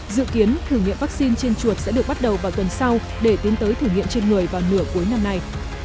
dự kiến thử nghiệm vaccine trên chuột sẽ được bắt đầu vào tuần sau để tiến tới thử nghiệm trên người vào nửa cuối năm nay